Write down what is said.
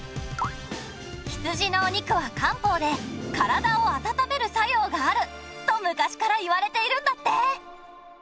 羊のお肉は漢方で体を温める作用があると昔からいわれているんだって。